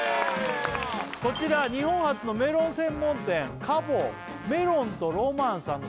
こちら日本初のメロン専門店果房メロンとロマンさん